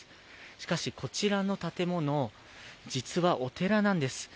しかし、こちらの建物、実はお寺なんです。